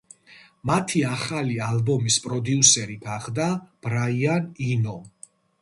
მათი ახალი ალბომის პროდიუსერი გახდა ბრაიან ინო.